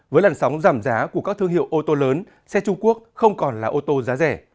với lần sóng giảm giá của các thương hiệu ô tô lớn xe trung quốc không còn là ô tô giá rẻ